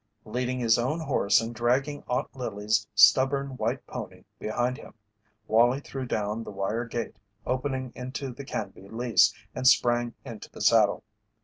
Leading his own horse and dragging Aunt Lizzie's stubborn white pony behind him, Wallie threw down the wire gate opening into the Canby lease and sprang into the saddle.